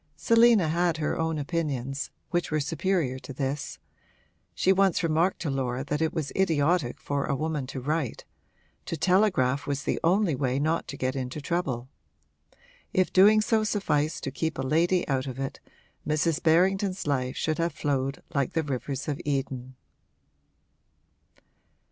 Selina had her own opinions, which were superior to this she once remarked to Laura that it was idiotic for a woman to write to telegraph was the only way not to get into trouble. If doing so sufficed to keep a lady out of it Mrs. Berrington's life should have flowed like the rivers of Eden.